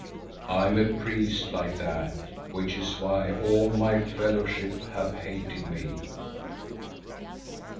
I am a priest like that, which is why all my fellowship have hated me."